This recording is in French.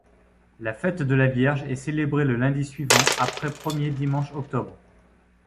La fête de la Vierge est célébrée le lundi suivant après premier dimanche octobre.